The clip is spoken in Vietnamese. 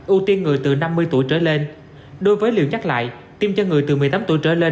ưu tiên người từ năm mươi tuổi trở lên đối với liều nhắc lại tiêm cho người từ một mươi tám tuổi trở lên